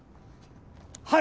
はい！